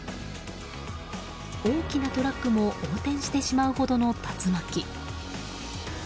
大きなトラックも横転してしまうほどの竜巻。